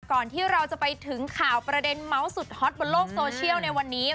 ก่อนที่เราจะไปถึงข่าวประเด็นเมาส์สุดฮอตบนโลกโซเชียลในวันนี้